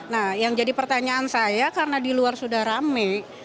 nah yang jadi pertanyaan saya karena di luar sudah rame